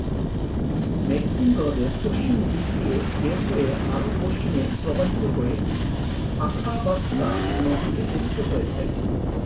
Medicine হ্রদের পশ্চিম দিক দিয়ে বের হয়ে আরো পশ্চিমে প্রবাহিত হয়ে আথাবাস্কা নদীতে পতিত হয়েছে।